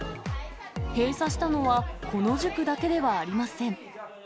閉鎖したのは、この塾だけではありません。